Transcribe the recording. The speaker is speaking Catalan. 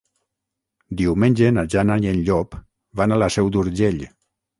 Diumenge na Jana i en Llop van a la Seu d'Urgell.